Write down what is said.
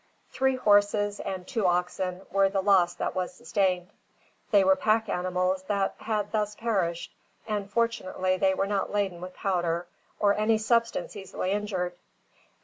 Three horses and two oxen were the loss that was sustained. They were pack animals that had thus perished; and fortunately they were not laden with powder, or any substance easily injured.